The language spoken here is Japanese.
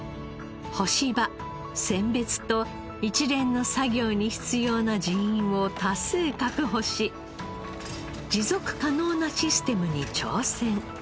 干し場選別と一連の作業に必要な人員を多数確保し持続可能なシステムに挑戦。